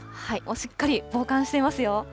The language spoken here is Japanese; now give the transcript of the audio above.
しっかり防寒していますよ。